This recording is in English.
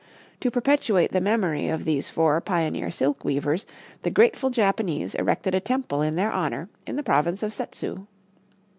To perpetuate the memory of these four pioneer silk weavers the grateful Japanese erected a temple in their honor in the province of Setsu.